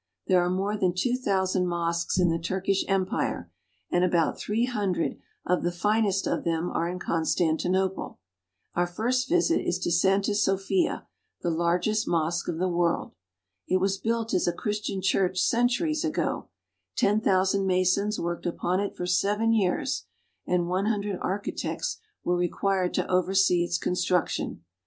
There are more than two thousand mosques in the Turkish Empire, and about three hundred of the finest of them are in Con stantinople. Our first visit is to Santa Sophia, the largest mosque of the world. It was built as a Chris tian church centuries ago ; ten thousand masons worked upon it for seven years, and one hundred architects were required to oversee its construction.